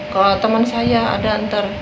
kalo temen saya ada ntar